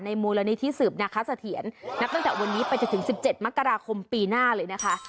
มูลนิธิสืบนาคสะเทียนนับตั้งแต่วันนี้ไปจนถึง๑๗มกราคมปีหน้าเลยนะคะ